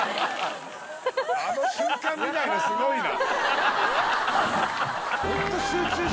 あの瞬間見ないのすごいな。